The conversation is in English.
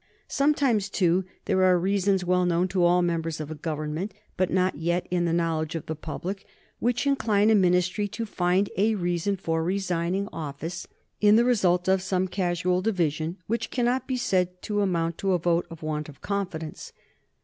Sometimes, too, there are reasons, well known to all members of a Government but not yet in the knowledge of the public, which incline a Ministry to find a reason for resigning office in the result of some casual division which cannot be said to amount to a vote of want of confidence.